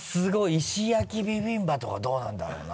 石焼きビビンバとかどうなんだろうな？